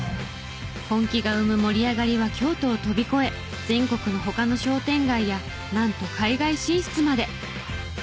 本気が生む盛り上がりは京都を飛び越え全国の他の商店街やなんと海外進出まで。